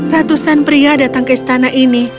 ratusan pria datang ke istana ini